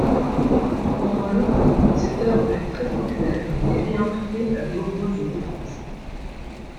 Pendant le cette œuvre fut très populaire et réimprimée à de nombreuses reprises.